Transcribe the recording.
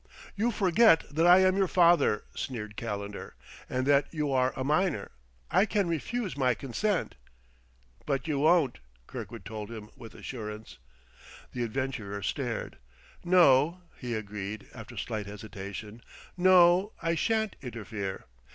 "You forget that I am your father," sneered Calendar; "and that you are a minor. I can refuse my consent." "But you won't," Kirkwood told him with assurance. The adventurer stared. "No," he agreed, after slight hesitation; "no, I shan't interfere.